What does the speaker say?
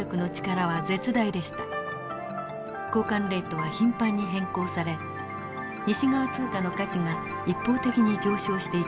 交換レートは頻繁に変更され西側通貨の価値が一方的に上昇していきました。